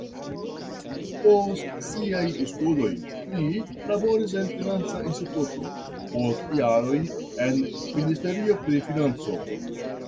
Post siaj studoj li laboris en financa instituto, post jaroj en ministerio pri financo.